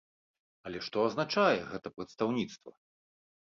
Але што азначае гэта прадстаўніцтва?